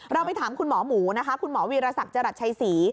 ไปถามคุณหมอหมูนะคะคุณหมอวีรศักดิ์จรัสชัยศรี